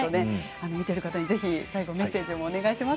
見ている方にメッセージをお願いします。